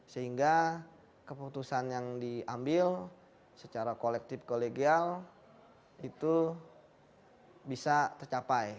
sehingga keputusan yang diambil secara kolektif kolegial itu bisa tercapai